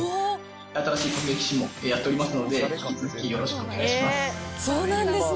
新しい機種もやっておりますので、ぜひよろしくお願いしますそうなんですね。